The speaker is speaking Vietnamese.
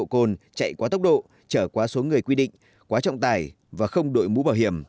chạy quá tốc độ chạy quá tốc độ chở quá số người quy định quá trọng tải và không đổi mũ bảo hiểm